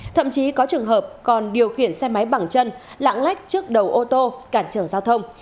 thậm chí có trường hợp còn điều khiển xe máy bằng chân lãng lách trước đầu ô tô cản trở giao thông